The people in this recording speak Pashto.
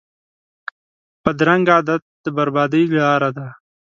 بدرنګه عادت د بربادۍ لاره ده